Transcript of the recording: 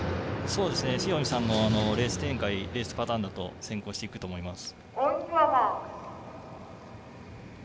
塩見さんのレース展開レースパターンだと先行していくと思います。